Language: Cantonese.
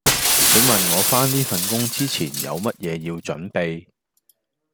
請問我返呢份工之前有乜嘢要準備？